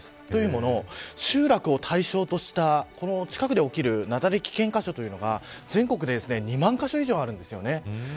というのも、集落を対象とした近くで起きる雪崩危険箇所というのが全国で２万箇所以上あるんです。